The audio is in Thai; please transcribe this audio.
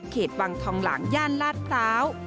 วังทองหลางย่านลาดพร้าว